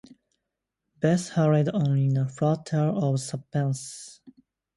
Beth hurried on in a flutter of suspense.